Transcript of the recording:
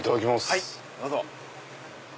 はいどうぞ。